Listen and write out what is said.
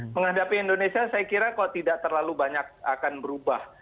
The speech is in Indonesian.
menghadapi indonesia saya kira kok tidak terlalu banyak akan berubah